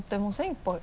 いっぱい。